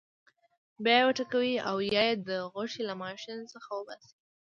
بیا یې وټکوئ او یا یې د غوښې له ماشین څخه وباسئ.